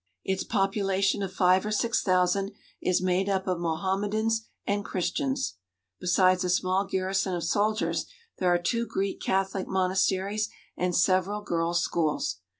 Its population of five or six thousand is made up of Mohammedans and Christians. Besides a small garrison of soldiers, there are two Greek Catholic monasteries and several girls' schools.